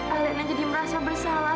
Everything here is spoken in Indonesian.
alina jadi merasa bersalah